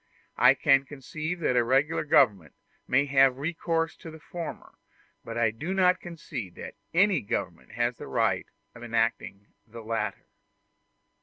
I can conceive that a regular government may have recourse to the former, but I do not concede that any government has the right of enacting the latter.